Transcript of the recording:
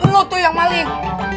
lo tuh yang maling